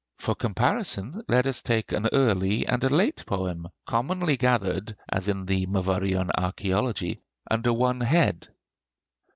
For comparison let us take an early and a late poem, commonly gathered, as in the 'Myvyrian Archæology,' under one head.